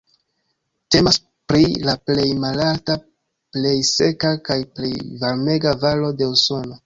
Temas pri la plej malalta, plej seka kaj plej varmega valo de Usono.